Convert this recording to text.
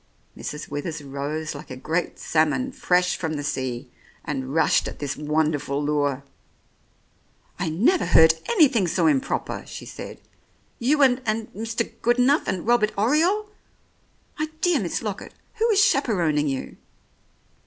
Mrs. Withers rose like a great salmon fresh from the sea, and rushed at this wonderful lure. "I never heard anything so improper," she said. "You and — and Mr. Goodenough and Robbie Oriole ! My dear Miss Lockett, who is chaperoning you